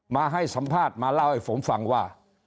มาให้สัมภาษณ์มาเล่าให้ผมฟังว่า